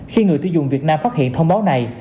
khi người tiêu dùng việt nam phát hiện thông báo này